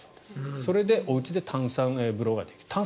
それでおうちで炭酸風呂ができる。